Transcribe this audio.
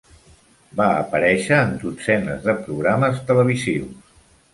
Va aparèixer en dotzenes de programes televisius.